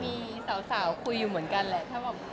มีสาวคุยอยู่เหมือนกันแหละถ้าแบบ